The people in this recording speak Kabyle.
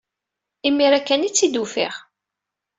Imir-a kan ay tt-id-ufiɣ.